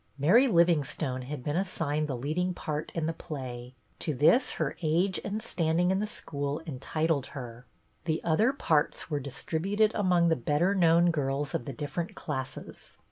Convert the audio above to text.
Mary Livingstone had been assigned the leading part in the play ; to this her age and standing in the school entitled her. The other parts were distributed among the better known girls of the different classes.